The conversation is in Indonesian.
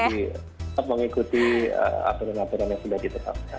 jadi tetap mengikuti apel apel yang sudah ditetapkan